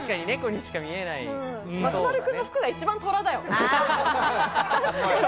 松丸君の服が一番トラだよ。